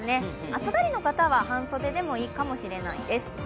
暑がりの方は半袖でもいいかもしれないです。